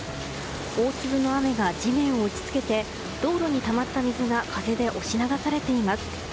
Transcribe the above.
大粒の雨が地面を打ちつけて道路にたまった水が風で押し流されています。